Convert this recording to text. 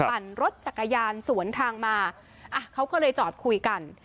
ปั่นรถจักรยานสวนทางมาอ่ะเขาก็เลยจอดคุยกัน